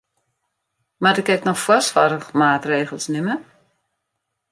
Moat ik ek noch foarsoarchmaatregels nimme?